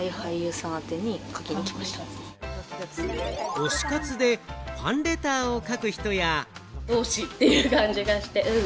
推し活でファンレターを書く人や。